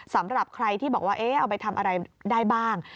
สำหรับใครที่บอกว่าเอาไปทำอะไรได้บ้าง